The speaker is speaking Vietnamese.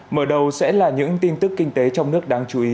mở đầu sẽ là những tin tức kinh tế trong nước đáng chú ý